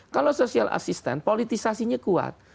kalau social assistant politisasinya kuat